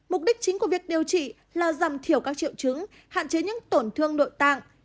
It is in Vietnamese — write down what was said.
mục đích chính của việc điều trị là giảm thiểu các triệu chứng hạn chế những tổn thương nội tạng